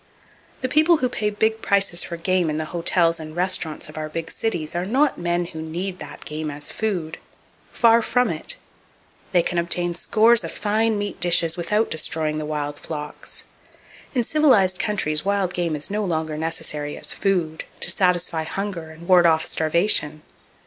The people who pay big prices for game in the hotels and restaurants of our big cities are not men who need that game as food. Far from it. They can obtain scores of fine meat dishes without destroying the wild flocks. In civilized countries wild game is no longer necessary as "food," to satisfy hunger, and ward off starvation.